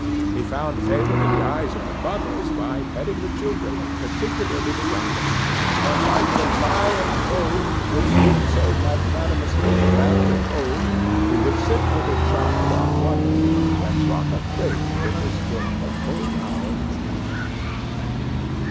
He found favor in the eyes of the mothers by petting the children, particularly the youngest; and like the lion bold, which whilom so magnanimously the lamb did hold, he would sit with a child on one knee, and rock a cradle with his foot for whole hours together.